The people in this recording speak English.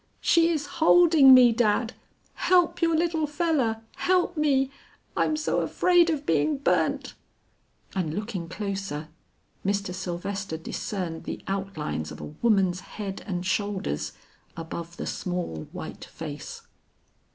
She is holding me, Dad. Help your little feller; help me, I'm so afraid of being burnt." And looking closer, Mr. Sylvester discerned the outlines of a woman's head and shoulders above the small white face.